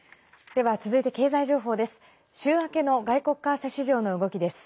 では続いて経済情報です。